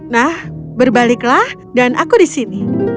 nah berbaliklah dan aku di sini